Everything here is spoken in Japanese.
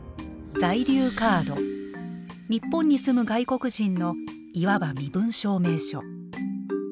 日本に住む外国人のいわば身分証明書。